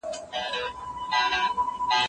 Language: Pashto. که سياستپوهنه نه وای ټولنه به بې نظمه وه.